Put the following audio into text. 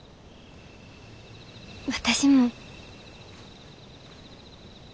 私も。